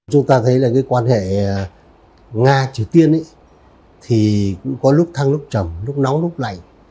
chúng ta thấy là cái quan hệ nga triều tiên thì cũng có lúc thăng lúc trầm lúc nóng lúc này